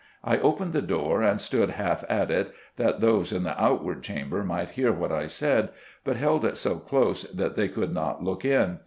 I opened the door and stood half at it, that those in the outward chamber might hear what I said, but held it so close that they could not look in.